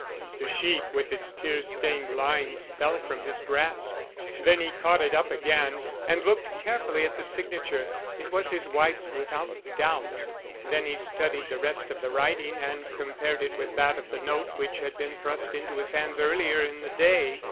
The sheet with its tear stained lines fell from his grasp. Then he caught it up again and looked carefully at the signature. It was his wife's without doubt. Then he studied the rest of the writing and compared it with that of the note which had been thrust into his hands earlier in the day.